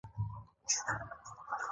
افغانستان له بدخشان ډک دی.